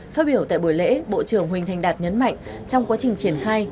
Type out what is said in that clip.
phát biểu tại buổi lễ bộ trưởng huỳnh thành đạt nhấn mạnh trong quá trình triển khai